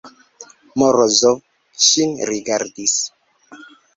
Morozov ŝin rigardis.